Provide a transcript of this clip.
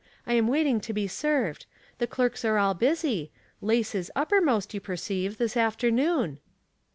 I am waiting to be served. The clerks are all busy — lace is uppermost, you perceive, this afternoon."